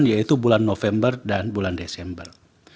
yaitu bulan november dan bulan desember